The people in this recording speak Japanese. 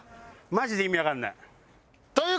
マジで意味わかんない。